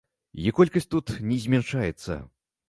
І колькасць тут не змяншаецца.